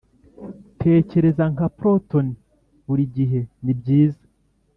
tekereza nka proton, burigihe nibyiza.